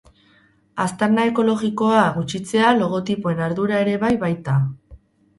Aztarna ekologikoa gutxitzea logotipoen ardura ere bai baita.